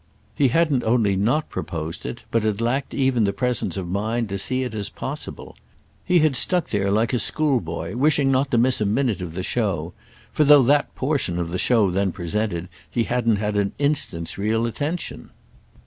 He hadn't only not proposed it, but had lacked even the presence of mind to see it as possible. He had stuck there like a schoolboy wishing not to miss a minute of the show; though for that portion of the show then presented he hadn't had an instant's real attention.